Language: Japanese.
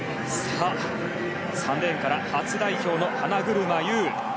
３レーンから初代表の花車優。